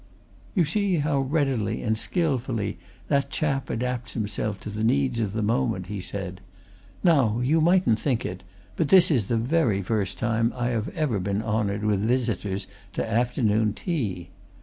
"You see how readily and skilfully that chap adapts himself to the needs of the moment," he said. "Now, you mightn't think it, but this is the very first time I have ever been honoured with visitors to afternoon tea.